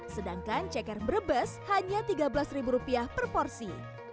sedangkan ceker bebes hanya tiga belas rupiah per porsi